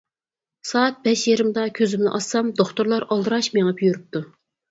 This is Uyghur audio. سائەت بەش يېرىمدا كۆزۈمنى ئاچسام دوختۇرلار ئالدىراش مېڭىپ يۈرۈپتۇ.